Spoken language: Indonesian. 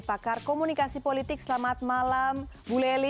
pakar komunikasi politik selamat malam bu lely